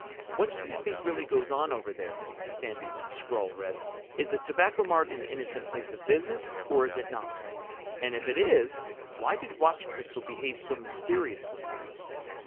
"What do you think really goes on over there?" Sandy's scrawl read. "Is the Tobacco Mart an innocent place of business—or is it not? And if it is why did Watch Crystal behave so mysteriously?"